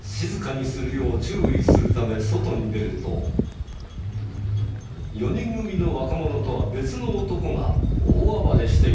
静かにするよう注意するため外に出ると４人組の若者とは別の男が大暴れしていたのだという。